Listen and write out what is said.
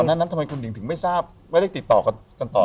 น้ำบ่อนั้นนะทำไมถึงคุณหลิงไม่ทิตย์จากกันต่อ